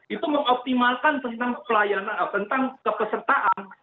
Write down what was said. itu mengoptimalkan tentang pelayanan kesehatan